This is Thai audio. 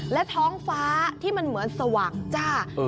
และท้องฟ้าที่มันเหมือนสว่างจ้า